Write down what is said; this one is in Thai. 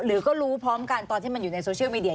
หรือก็รู้พร้อมกันตอนที่มันอยู่ในโซเชียลมีเดีย